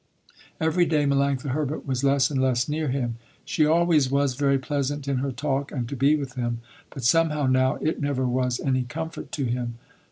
Every day Melanctha Herbert was less and less near to him. She always was very pleasant in her talk and to be with him, but somehow now it never was any comfort to him.